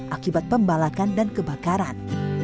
akibat pembalakan dan kebakaran